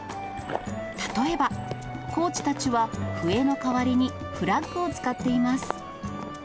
例えば、コーチたちは、笛の代わりにフラッグを使っています。